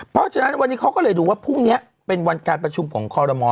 เพราะฉะนั้นวันนี้เขาก็เลยดูว่าพรุ่งนี้เป็นวันการประชุมของคอรมอล